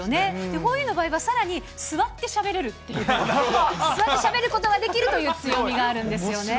ふぉゆの場合は、さらに座ってしゃべれるっていう、座ってしゃべることができるという強みがあるんですよね。